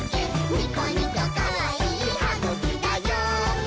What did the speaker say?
ニコニコかわいいはぐきだよ！」